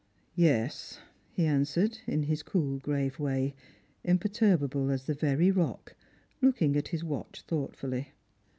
" Yes," he answered, in his cool grave way, imperturbable as the very rock, looking at his watch thoughtfully.